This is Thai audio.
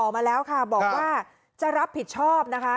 มาแล้วค่ะบอกว่าจะรับผิดชอบนะคะ